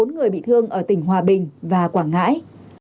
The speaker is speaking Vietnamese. bốn người bị thương ở tỉnh hòa bình và quảng ngãi